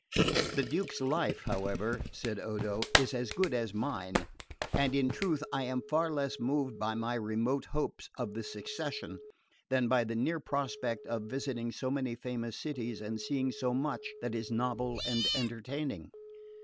"The Duke's life, however," said Odo, "is as good as mine, and in truth I am far less moved by my remote hopes of the succession than by the near prospect of visiting so many famous cities and seeing so much that is novel and entertaining."